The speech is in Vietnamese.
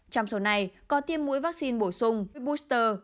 trong số này có tiêm mũi vắc xin bổ sung với booster